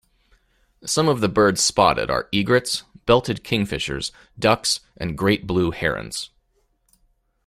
Some of the birds spotted are egrets, belted kingfishers, ducks, and great blue herons.